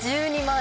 １２万。